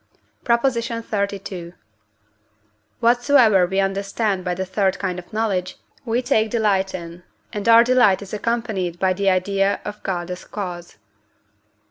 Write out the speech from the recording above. PROP. XXXII. Whatsoever we understand by the third kind of knowledge, we take delight in, and our delight is accompanied by the idea of God as cause.